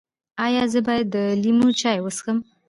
ایا زه باید د لیمو چای وڅښم؟